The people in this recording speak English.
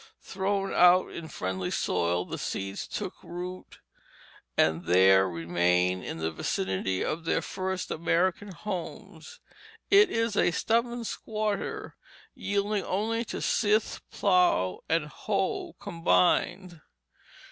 Thrown out in friendly soil, the seeds took root and there remain in the vicinity of their first American homes. It is a stubborn squatter, yielding only to scythe, plough, and hoe combined.